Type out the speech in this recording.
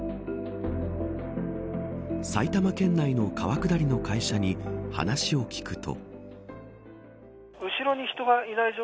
埼玉県内の川下りの会社に話を聞くと。